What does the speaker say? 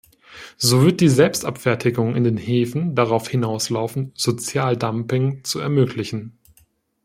So wird die Selbstabfertigung in den Häfen darauf hinauslaufen, Sozialdumping zu ermöglichen.